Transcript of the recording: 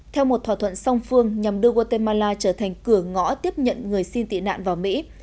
theo một thỏa thuận song phương nhằm đưa guatemala trở thành cửa ngõ tiếp nhận người xin tị nạn vào mỹ